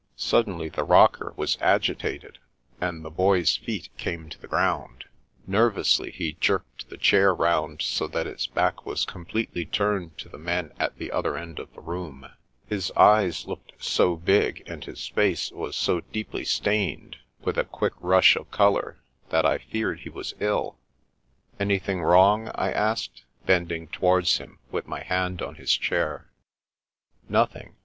Suddenly the " rocker " was agitated, and the Boy's feet came to the ground. Nervously, he jerked the chair round so that its back was completely turned to the men at the other end of the room. His eyes looked so big, and his face was so deeply stained with a quick rush of colour, that I feared he was ill. "Anything wrong?" I asked, bending towards him, with my hand on his chair. " Nothing.